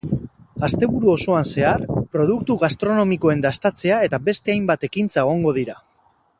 Asteburu osoan zehar, produktu gastronomikoen dastatzea eta beste hainbat ekintza egongo dira.